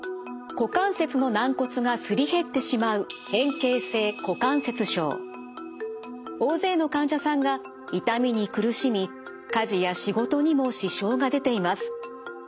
股関節の軟骨がすり減ってしまう大勢の患者さんが痛みに苦しみ家事や仕事にも支障が出ています。